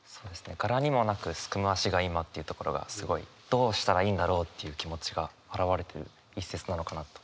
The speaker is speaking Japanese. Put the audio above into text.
「柄にもなく竦む足が今」というところがすごいどうしたらいいんだろうっていう気持ちが表れてる一節なのかなと。